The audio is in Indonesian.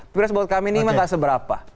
pilpres buat kami ini enggak seberapa